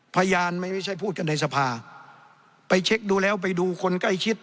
พยานไม่ใช่พูดกันในสภาไปเช็คดูแล้วไปดูคนใกล้ชิด